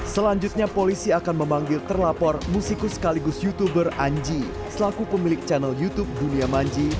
selanjutnya polisi akan memanggil terlapor musikus sekaligus youtuber anji selaku pemilik channel youtube dunia manji